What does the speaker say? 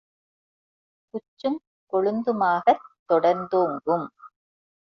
குச்சுங் கொழுந்துமாகத் தொடர்ந்தோங்கும்